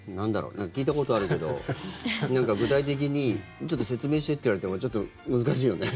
なんか聞いたことあるけど何か具体的にちょっと説明してって言われてもちょっと難しいよね。